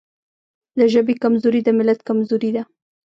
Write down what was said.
د ژبې کمزوري د ملت کمزوري ده.